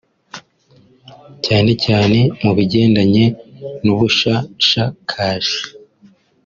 cyane cyane mu bigendanye n’ubushashakashi